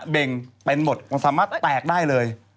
เบ่งเป็นหมดมันสามารถแตกได้เลย